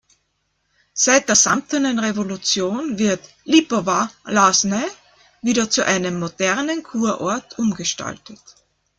Seit der Samtenen Revolution wird Lipová-Lázně wieder zu einem modernen Kurort umgestaltet.